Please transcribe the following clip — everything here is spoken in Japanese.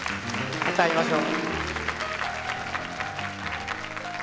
また会いましょう。